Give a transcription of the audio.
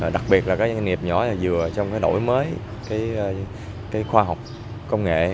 đặc biệt là các doanh nghiệp nhỏ và vừa trong đổi mới khoa học công nghệ